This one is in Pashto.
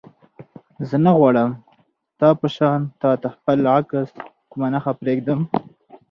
زه نه غواړم ستا په شان تا ته خپل عکس کومه نښه پرېږدم.